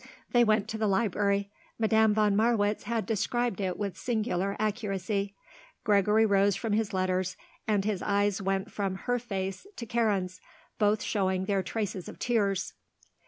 They went to the library. Madame von Marwitz had described it with singular accuracy. Gregory rose from his letters and his eyes went from her face to Karen's, both showing their traces of tears.